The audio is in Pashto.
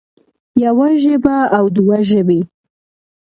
يوه ژبه او دوه ژبې